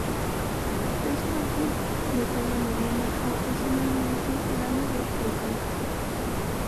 Es un árbol de talla mediana a ocasionalmente grande de eucalipto.